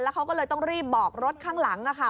เขาก็เลยต้องรีบบอกรถข้างหลังค่ะ